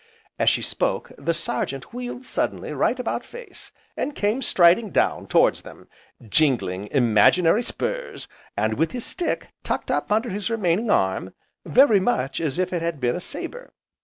As she spoke, the Sergeant wheeled suddenly right about face, and came striding down towards them, jingling imaginary spurs, and with his stick tucked up under his remaining arm, very much as if it had been a sabre.